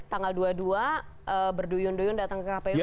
tanggal dua puluh dua berduyun duyun datang ke kpu